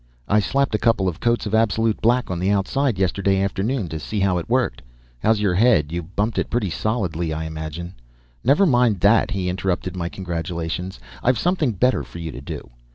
"I slapped a couple of coats of absolute black on the outside yesterday afternoon to see how it worked. How's your head? you bumped it pretty solidly, I imagine." "Never mind that," he interrupted my congratulations. "I've something better for you to do."